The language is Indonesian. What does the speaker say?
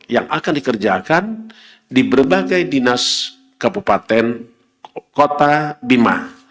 yang akan dikerjakan di berbagai dinas kabupaten kota bima